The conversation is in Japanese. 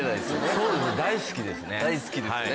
そうですね大好きですね。